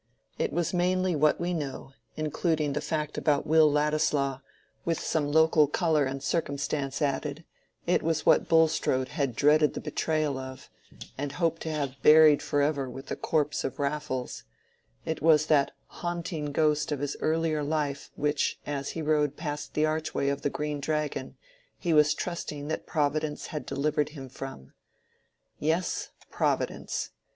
It was mainly what we know, including the fact about Will Ladislaw, with some local color and circumstance added: it was what Bulstrode had dreaded the betrayal of—and hoped to have buried forever with the corpse of Raffles—it was that haunting ghost of his earlier life which as he rode past the archway of the Green Dragon he was trusting that Providence had delivered him from. Yes, Providence.